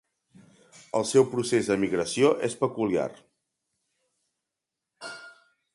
El seu procés de migració és peculiar.